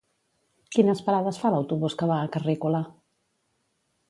Quines parades fa l'autobús que va a Carrícola?